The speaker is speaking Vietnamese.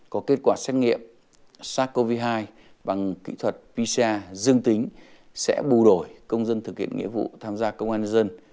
có kết quả xét nghiệm sars cov hai bằng kỹ thuật pcr dương tính sẽ bù đổi công dân thực hiện nghĩa vụ tham gia công an nhân dân